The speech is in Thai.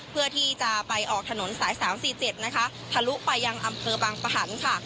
เพื่อที่จะไปออกถนนสาย๓๔๗นะคะทะลุไปยังอำเภอบางปะหันค่ะ